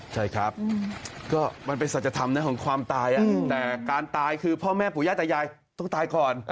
ใช่ครับก็มันเป็นสัจธรรมนะของความตายแต่การตายคือพ่อแม่ปู่ย่าตายายต้องตายก่อน